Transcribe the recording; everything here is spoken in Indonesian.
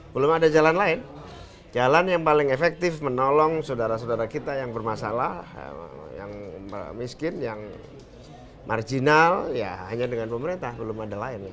belum ada jalan lain jalan yang paling efektif menolong saudara saudara kita yang bermasalah yang miskin yang marginal ya hanya dengan pemerintah belum ada lain